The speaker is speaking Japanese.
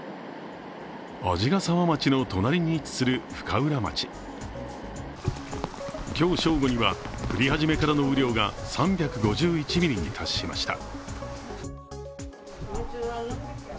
鰺ヶ沢町の隣に位置する深浦町。今日正午には、降り始めからの雨量が３５１ミリに達しました。